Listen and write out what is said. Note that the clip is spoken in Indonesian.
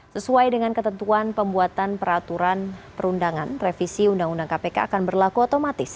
sesuai dengan ketentuan pembuatan peraturan perundangan revisi undang undang kpk akan berlaku otomatis